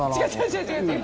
違う違う違う。